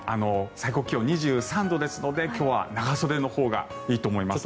最高気温２３度ですので今日は長袖のほうがいいと思います。